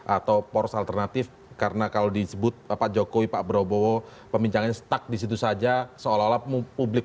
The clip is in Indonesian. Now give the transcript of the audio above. atau poros alternatif karena kalau disebut pak jokowi pak prabowo pembincangannya stuck disitu saja seolah olah publik